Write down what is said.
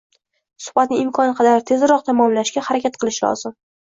Suhbatni imkon qadar tezroq tamomlashga harakat qilish lozim.